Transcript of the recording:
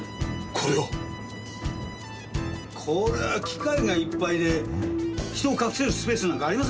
これは機械がいっぱいで人を隠せるスペースなんかありませんね。